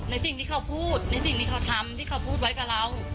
ในสิ่งที่เขาพูดในสิ่งที่เขาทำที่เขาพูดไว้กับเรา